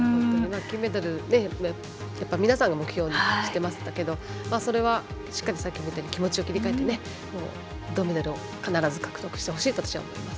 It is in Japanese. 金メダルを皆さんが目標にしていましたけどもそれはしっかり気持ちを切り替えて銅メダルを必ず獲得してほしいと思います。